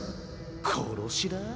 殺しだぁ？